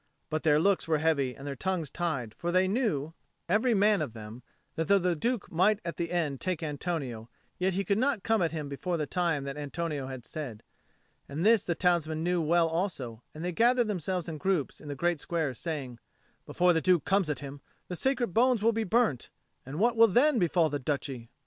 But their looks were heavy and their tongues tied, for they knew, every man of them, that though the Duke might at the end take Antonio, yet he could not come at him before the time that Antonio had said. And this the townsmen knew well also; and they gathered themselves in groups in the great square, saying, "Before the Duke comes at him, the sacred bones will be burnt, and what will then befall the Duchy?"